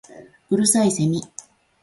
五月蠅いセミ